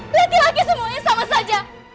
laki laki semuanya sama saja